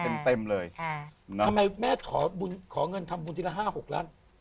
เต็มเต็มเลยค่ะทำไมแม่ขอบุญขอเงินทำบุญทีละห้าหกล้าน